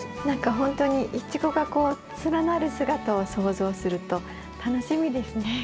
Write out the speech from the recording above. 何かほんとにイチゴがこう連なる姿を想像すると楽しみですね。